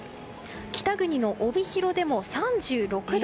北国の帯広でも３６度。